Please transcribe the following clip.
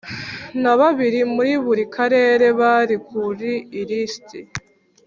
na babiri muri buri Karere bari ku ilisiti